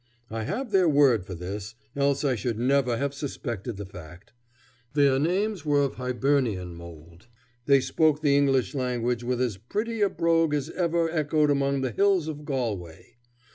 I have their word for this, else I should never have suspected the fact. Their names were of Hibernian mold. They spoke the English language with as pretty a brogue as ever echoed among the hills of Galway.